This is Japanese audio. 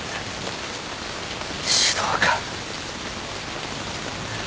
指導官。